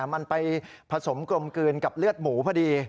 มันไปผสมกลมกลืนกับเลือดหมูพอดี